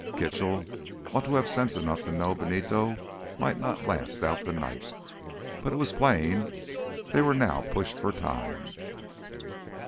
Kitchell ought to have sense enough to know Benito might not last out the night. But it was plain they were now pushed for time.